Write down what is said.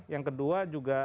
yang kedua juga